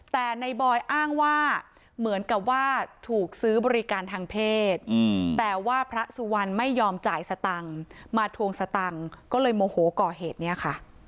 แต่ในบอยอ้างว่าเหมือนกับว่าถูกซื้อบริการทางเพศแต่ว่าพระสุวรรณไม่ยอมจ่ายสตังค์มาทวงสตังค์ก็เลยโมโหก่อเหตุเนี่ยค่ะ